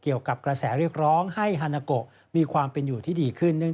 เกี่ยวกับกระแสเรียกร้องให้ฮานาโกมีความเป็นอยู่ที่ดีขึ้น